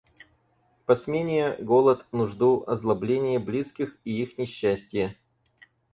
Посмения, голод, нужду, озлобление близких и их несчастье.